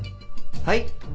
はい。